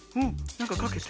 なんかかけて？